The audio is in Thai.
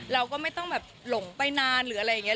เราก็ไม่ต้องแบบหลงไปนานหรืออะไรอย่างนี้